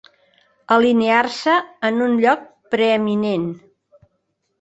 Alinear-se en un lloc preeminent.